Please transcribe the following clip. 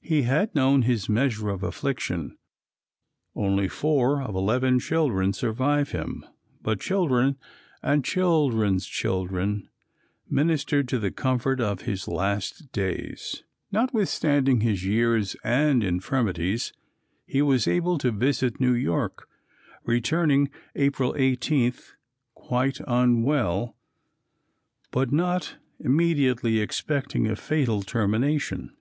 He had known his measure of affliction; only four of eleven children survive him, but children and children's children ministered to the comfort of his last days. Notwithstanding his years and infirmities, he was able to visit New York, returning April 18th quite unwell, but not immediately expecting a fatal termination.